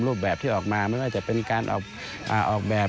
รูปแบบที่ออกมาไม่ว่าจะเป็นการออกแบบ